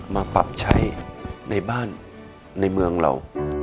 มาปรับใช้ในบ้านในเมืองเรา